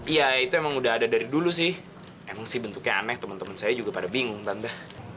iya itu emang udah ada dari dulu sih emang sih bentuknya aneh temen temen saya juga pada bingung bangga